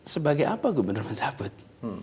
sebagai apa gubernur mencabut